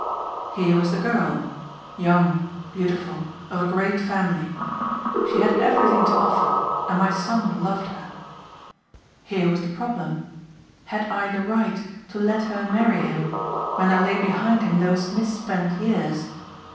Here was the girl. Young, beautiful, of a great family. She had everything to offer and my son loved her. Here was the problem. Had I the right to let her marry him when there lay behind him those misspent years?